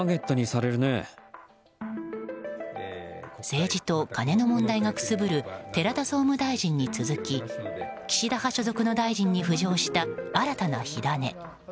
政治とカネの問題がくすぶる寺田総務大臣に続き岸田派所属の大臣に浮上した新たな火種。